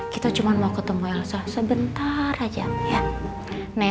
kita cuma mau ketemu elsa sebentar aja